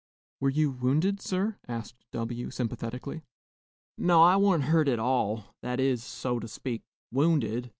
"Were you wounded, sir?" asked W , sympathetically. "No, I wa'n't hurt at all, that is, so to speak, wounded.